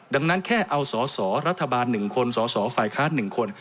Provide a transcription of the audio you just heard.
ดังนั้นแค่เอาสสรคหนึ่งคนสสฝคหนึ่งคน